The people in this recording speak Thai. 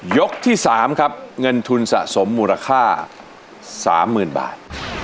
ยกที่๓ครับเงินทุนสะสมมูลค่า๓๐๐๐บาท